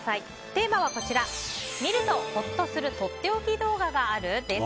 テーマは、見るとホッとするとっておき動画がある？です。